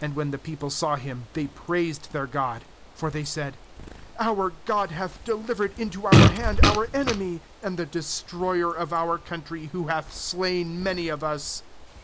MAnd when the people saw him, they praised their god; for they said: 'Our god hath delivered into our hand our enemy, and the destroyer of our country, who hath slain many of us.'